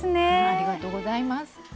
ありがとうございます。